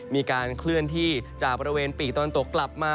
มีการเคลื่อนที่จากบริเวณปีกตะวันตกกลับมา